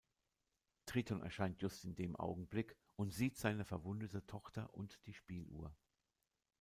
Triton erscheint just in dem Augenblick und sieht seine verwundete Tochter und die Spieluhr.